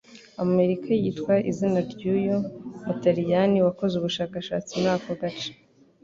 Amerika yitwa izina ryuyu mutaliyani wakoze ubushakashatsi muri ako gace